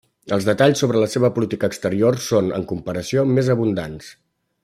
Els detalls sobre la seva política exterior són, en comparació, més abundants.